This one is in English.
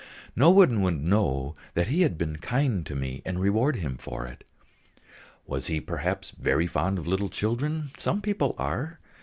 No one would know that he had been kind to me and reward him for it. Was he, perhaps, very fond of little children? Some people are.